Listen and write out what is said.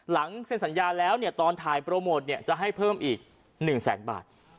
เซ็นสัญญาแล้วตอนถ่ายโปรโมทจะให้เพิ่มอีก๑แสนบาท